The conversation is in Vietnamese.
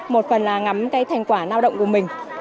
một phần là ngắm cái thành quả lao động của mình